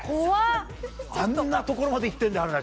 あんなところまでいってるんだ。